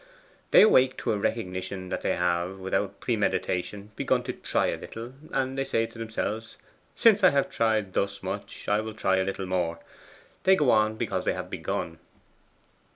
They awake to a recognition that they have, without premeditation, begun to try a little, and they say to themselves, "Since I have tried thus much, I will try a little more." They go on because they have begun.